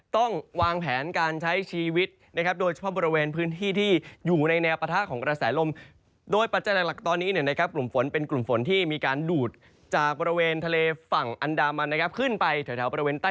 ตอนนี้เนี่ยนะครับมีการรูปรุงออกกลุ่มฝน